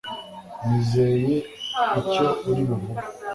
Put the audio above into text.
nizeye icyo uri buvuge